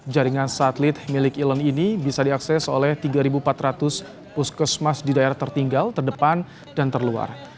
jaringan satelit milik elon ini bisa diakses oleh tiga empat ratus puskesmas di daerah tertinggal terdepan dan terluar